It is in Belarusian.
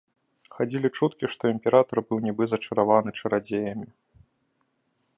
Хадзілі чуткі, што імператар быў нібы зачараваны чарадзеямі.